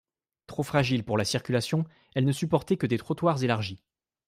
Trop fragiles pour la circulation, elles ne supportaient que des trottoirs élargis.